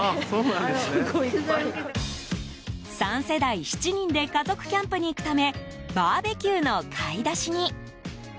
３世代７人で家族キャンプに行くためバーベキューの買い出しに。